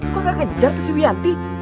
kok gak kejar tuh si wiyanti